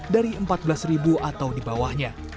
dari empat belas ribu atau di bawahnya